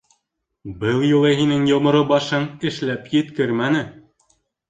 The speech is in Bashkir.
Ьыл юлы һинең йоморо башың эшләп еткермәне.